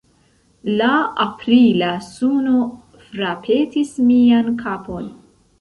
La aprila suno frapetis mian kapon.